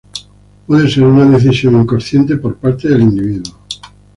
Puede ser una decisión inconsciente por parte del individuo.